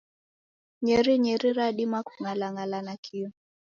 Nyerinyeri radima kung'alang'ala nakio.